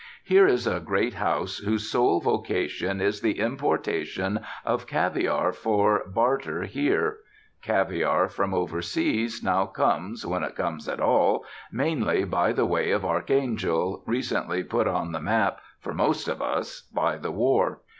Here is a great house whose sole vocation is the importation of caviar for barter here. Caviar from over seas now comes, when it comes at all, mainly by the way of Archangel, recently put on the map, for most of us, by the war.